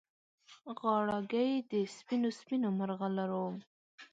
غاړګۍ د سپینو، سپینو مرغلرو